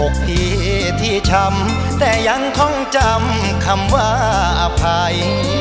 อกดีที่ช่ำแต่ยังท่องจำคำว่าอภัย